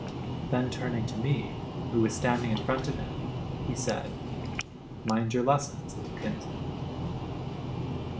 Then, turning to me, who was standing in front of him, he said: "Mind your lessons, little kinsman."